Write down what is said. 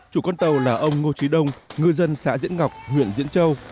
chủ con tàu là ông ngô trí đông ngư dân xã diễn ngọc huyện diễn châu